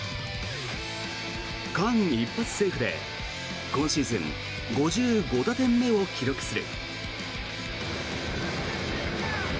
間一髪セーフで今シーズン５５打点目を記録する。